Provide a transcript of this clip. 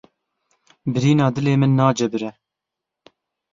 Birîna dilê min nacebire.